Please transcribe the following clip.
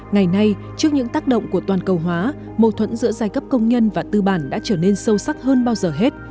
ngày nay trước những tác động của toàn cầu hóa mâu thuẫn giữa giai cấp công nhân và tư bản đã trở nên sâu sắc hơn bao giờ hết